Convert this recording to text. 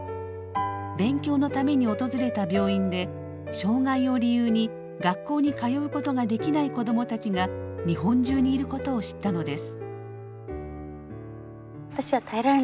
勉強のために訪れた病院で障害を理由に学校に通うことができない子どもたちに出会ったのです。